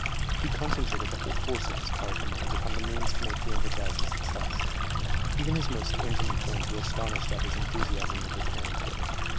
He concentrated the whole force of his powerful mind upon the means to make the enterprise a success; even his most intimate friends were astonished at his enthusiasm in preparing for it.